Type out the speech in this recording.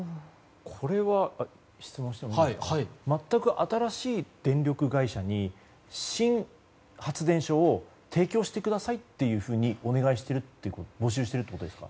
これは全く新しい電力会社に新発電所を提供してくださいとお願いしている募集しているということですか？